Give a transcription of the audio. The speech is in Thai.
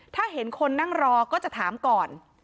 ถ้าเห็นคนนั่งรอก็จะถามก่อน